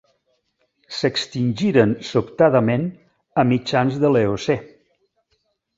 S'extingiren sobtadament a mitjans de l'Eocè.